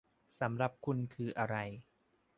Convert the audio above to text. สำหรับคุณคืออะไร ?